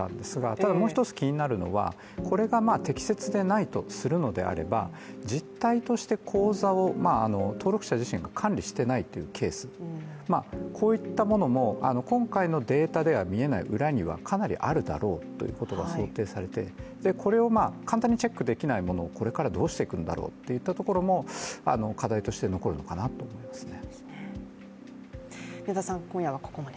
ただ、もう一つ気になるのがこれが適切でないとするのであれば、実態として口座を登録者自身が管理していないというケースこういったものも、今回のデータでは見えない裏にはかなりあるだろうということが想定されて、これを簡単にチェックできないものを、これからどうしていくんだろうといったところも課題として残るのかなと思いますね。